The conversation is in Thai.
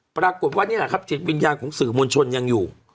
ปรากฏว่านี่แหละครับจิตวิญญาณของสื่อมวลชนยังอยู่